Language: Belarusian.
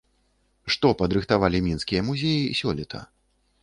Што падрыхтавалі мінскія музеі сёлета?